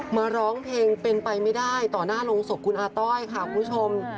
มาร้องเพลงเป็นไปไม่ได้ต่อหน้าโรงศพคุณอาต้อยค่ะคุณผู้ชม